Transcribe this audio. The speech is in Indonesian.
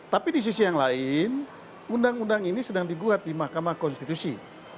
tapi di sisi yang lain undang undang ini sedang dibuat di mahkamah konstitusi